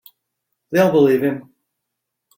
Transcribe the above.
They'll believe him.